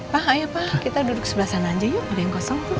pak ayo pak kita duduk sebelah sana aja yuk ada yang kosong